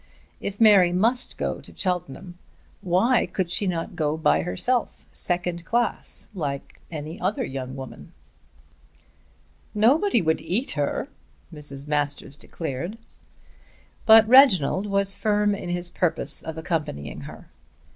If Mary must go to Cheltenham, why could she not go by herself, second class, like any other young woman? "Nobody would eat her," Mrs. Masters declared. But Reginald was firm in his purpose of accompanying her.